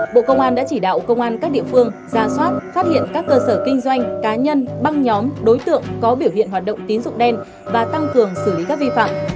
bộ công an đã chỉ đạo công an các địa phương ra soát phát hiện các cơ sở kinh doanh cá nhân băng nhóm đối tượng có biểu hiện hoạt động tín dụng đen và tăng cường xử lý các vi phạm